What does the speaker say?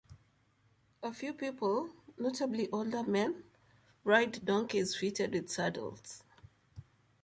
A few people, notably older men, ride donkeys fitted with saddles.